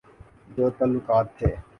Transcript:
جو تعلقات تھے۔